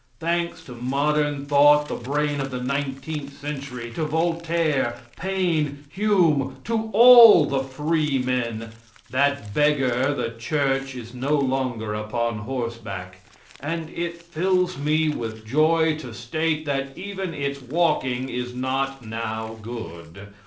Thanks to modern thought, the brain of the nineteenth century, to Voltaire, Paine, Hume, to all the free men, that beggar the church is no longer upon horseback; and it fills me with joy to state that even its walking is not now good.